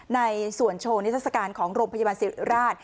ในส่วนโชว์นิทัศกาลของโรงพยาบาลสิริราช